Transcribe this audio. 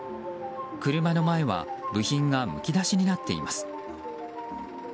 車の前は部品がむき出しになっています。